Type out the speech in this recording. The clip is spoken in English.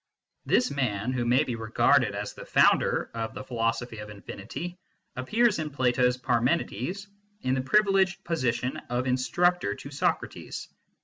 This man, who may be regarded as the founder of the philo sophy of infinity, appears in Plato s Parmenides in the privileged position of instructor to Socrates.